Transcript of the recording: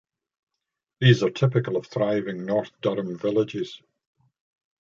These are typical of thriving North Durham villages.